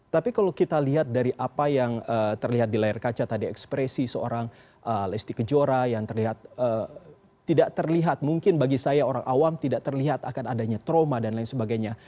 tapi kalau kita lihat dari apa yang terlihat di layar kaca tadi ekspresi seorang lesti kejora yang terlihat tidak terlihat mungkin bagi saya orang awam tidak terlihat akan adanya trauma dan lain sebagainya